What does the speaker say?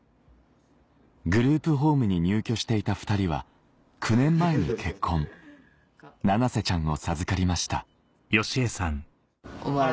グループホームに入居していた２人は９年前に結婚ななせちゃんを授かりました